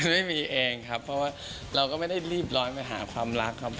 ไม่มีเองครับเพราะว่าเราก็ไม่ได้รีบร้อนไปหาความรักครับ